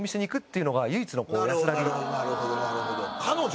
なるほどなるほど。